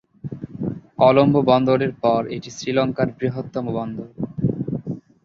কলম্বো বন্দরের পর এটি শ্রীলঙ্কার বৃহত্তম বন্দর।